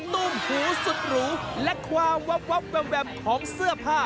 นุ่มหูสุดหรูและความวับแวมของเสื้อผ้า